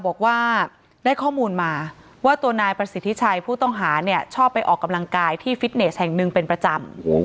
บอกว่าได้ข้อมูลมาว่าตัวนายประสิทธิชัยผู้ต้องหาเนี่ยชอบไปออกกำลังกายที่ฟิตเนสแห่งหนึ่งเป็นประจำ